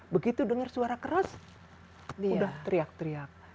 begitu dengar suara keras udah teriak teriak